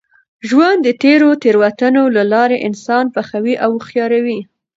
ژوند د تېرو تېروتنو له لاري انسان پخوي او هوښیاروي.